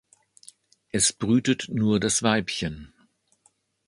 Es brütet nur das Weibchen.